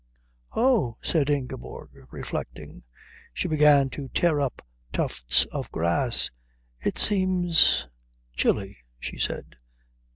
"Oh," said Ingeborg, reflecting. She began to tear up tufts of grass. "It seems chilly," she said.